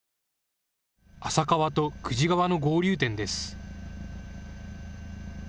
浅川と久慈川の合流点です。